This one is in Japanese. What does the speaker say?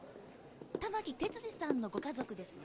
玉木哲司さんのご家族ですね？